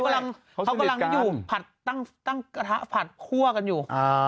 กำลังเขากำลังอยู่ผัดตั้งกระทะผัดคั่วกันอยู่